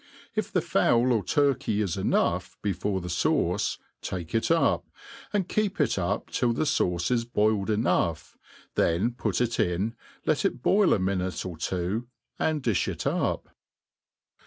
If the fowl or turkey , IS enough before the fauce, take it up, and keep it up till the (auce i^ boiled enough, then put it in, let it boil a minute or two, and diih it up.